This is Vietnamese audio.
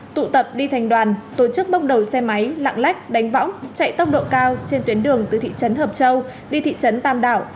tụ tập đi thành đoàn tổ chức bốc đầu xe máy lạng lách đánh võng chạy tốc độ cao trên tuyến đường từ thị trấn hợp châu đi thị trấn tam đảo